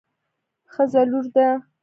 ښځه لور ده